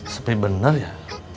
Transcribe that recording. sepi bener ya